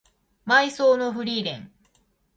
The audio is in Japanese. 葬送のフリーレン